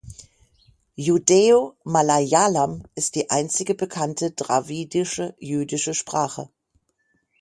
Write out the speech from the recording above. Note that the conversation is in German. Judäo-Malayalam ist die einzige bekannte dravidische jüdische Sprache.